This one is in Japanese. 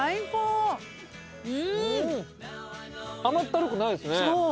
甘ったるくないですね。